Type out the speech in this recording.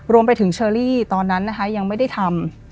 รวมไปถึงเชอรี่ตอนนั้นนะคะยังไม่ได้ทำ